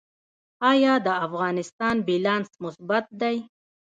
آیا د افغانستان بیلانس مثبت دی؟